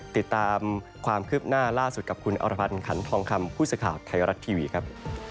ติดตามความคืบหน้าล่าสุดกับคุณอรภัณฑ์ขันทองคำพูดสภาพไทยรัตน์ทีวีครับ